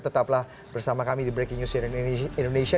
tetaplah bersama kami di breaking news cnn indonesia